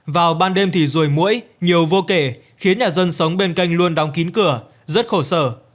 vào ban đêm thì rùi mũi nhiều vô kể khiến nhà dân sống bên cạnh luôn đóng kín cửa rất khổ sở